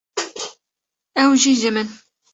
ew jî ji min.